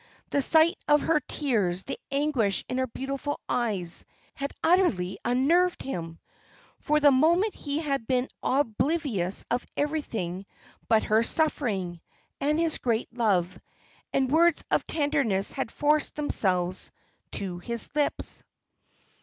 The sight of her tears, the anguish in her beautiful eyes, had utterly unnerved him. For the moment he had been oblivious of everything but her suffering, and his great love; and words of tenderness had forced themselves to his lips.